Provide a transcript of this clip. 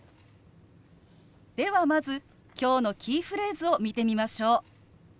ではまず今日のキーフレーズを見てみましょう。